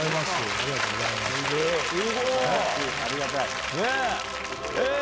ありがとうございます。